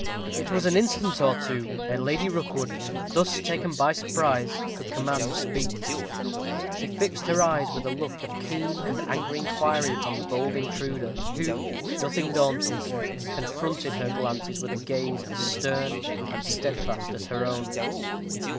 It was an instant or two ere Lady Rookwood, thus taken by surprise, could command speech. She fixed her eyes with a look of keen and angry inquiry upon the bold intruder, who, nothing daunted, confronted her glances with a gaze as stern and steadfast as her own.